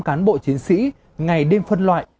cán bộ chiến sĩ ngày đêm phân loại